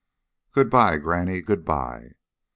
"Good bye, granny, good bye."